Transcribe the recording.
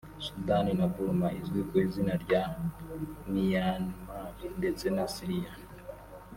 Sudan na Burma izwi ku izina rya Myanmar ndetse na Syria